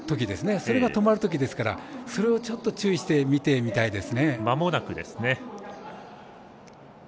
それが止まるときですからそれを注意して見てみたいです。